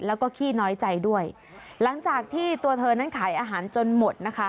แล้วก็ขี้น้อยใจด้วยหลังจากที่ตัวเธอนั้นขายอาหารจนหมดนะคะ